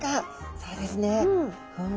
そうですね。